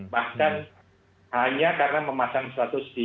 bahkan hanya karena memasang status